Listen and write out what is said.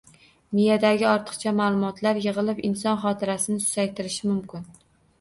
Miyadagi ortiqcha ma'lumotlar yig‘ilib inson xotirasini susaytirishi mumkin.